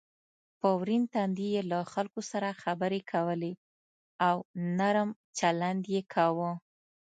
په ورین تندي یې له خلکو سره خبرې کولې او نرم چلند یې کاوه.